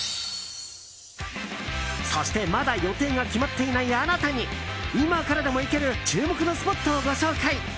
そして、まだ予定が決まっていないあなたに今からでも行ける注目のスポットをご紹介！